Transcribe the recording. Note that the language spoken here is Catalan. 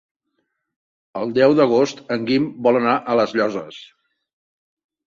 El deu d'agost en Guim vol anar a les Llosses.